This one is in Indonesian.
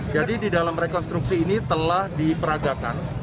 jadi di dalam rekonstruksi ini telah diperagakan